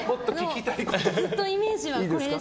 ずっとイメージはこれで。